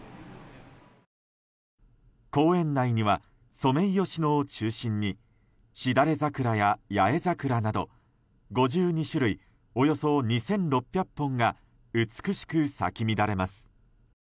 公園内にはソメイヨシノを中心にしだれ桜や八重桜など５２種類、およそ２６００本が美しく咲き乱れます。